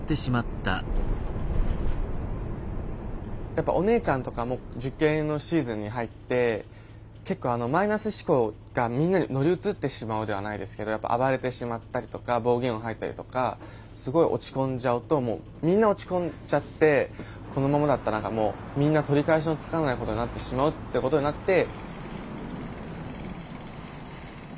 やっぱお姉ちゃんとかも受験のシーズンに入って結構マイナス思考がみんなに乗り移ってしまうではないですけどやっぱ暴れてしまったりとか暴言を吐いたりとかすごい落ち込んじゃうともうみんな落ち込んじゃってこのままだったら何かもうみんな取り返しのつかないことになってしまうってことになって。